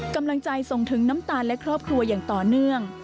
กำลังใจส่งถึงน้ำตาลและครอบครัวอย่างต่อเนื่อง